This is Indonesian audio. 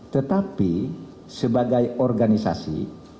tetapi sebagai organisasi